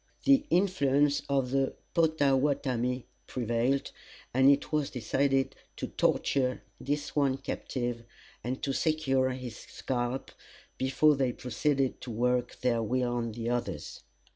The influence of the Pottawattamie prevailed, and it was decided to torture this one captive, and to secure his scalp, before they proceeded to work their will on the others.